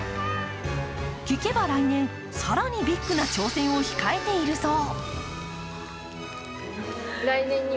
聞けば来年、更にビッグな挑戦を控えているそう。